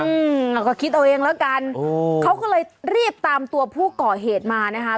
อืมอ่าก็คิดเอาเองแล้วกันโอ้เขาก็เลยรีบตามตัวผู้ก่อเหตุมานะคะ